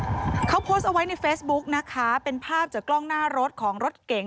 เขาโพสต์เอาไว้ในเฟซบุ๊กนะคะเป็นภาพจากกล้องหน้ารถของรถเก๋ง